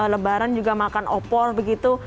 lebaran juga makan opor begitu